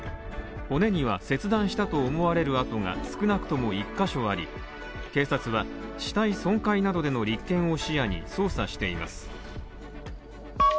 骨には切断したと思われる痕が少なくとも１カ所あり、警察は死体損壊などでの立件を視野に捜査しています。